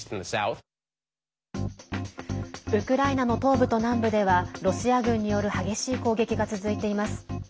ウクライナの東部と南部ではロシア軍による激しい攻撃が続いています。